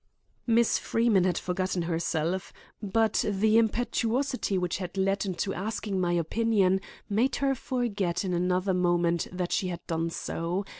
Miss Freeman had forgotten herself; but the impetuosity which had led her into asking my opinion made her forget in another moment that she had done so.